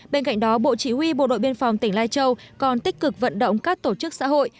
bên cạnh đó bộ chỉ huy bộ đội biên phòng tỉnh lai châu còn tích cực vận động các tổ chức xã hội